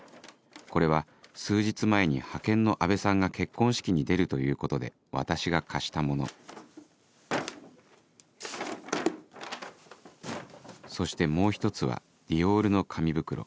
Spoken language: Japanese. これは数日前に派遣の阿部さんが結婚式に出るということで私が貸したものそしてもう１つはＤＩＯＲの紙袋